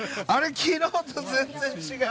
昨日と全然違う。